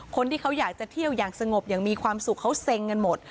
คนที่เขาอยากจะเที่ยวอย่างสงบอย่างมีความสุขเขาเซ็งกันหมด